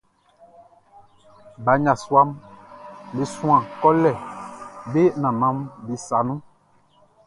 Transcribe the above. Ba yasuaʼm be suan kolɛ be nannanʼm be sa nun.